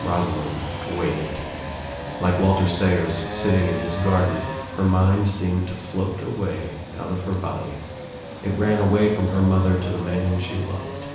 Rosalind waited. Like Walter Sayers, sitting in his garden, her mind seemed to float away, out of her body. It ran away from her mother to the man she loved.